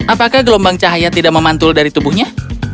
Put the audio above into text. apakah gelombang cahaya tidak memantul dari tubuhnya